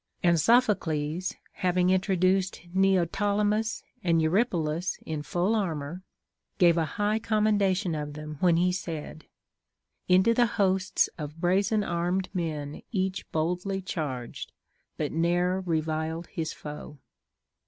And Sophocles, having in troduced Neoptolemus and Eurypylus in full armor, gave a high commendation of them when he said, — Into the liosts of brazen armed men Eacli boldly charged, but ne'er reviled liis foe.